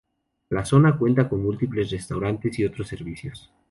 La zona cuenta con múltiples restaurantes y otros servicios.